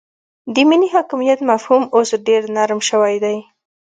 د ملي حاکمیت مفهوم اوس ډیر نرم شوی دی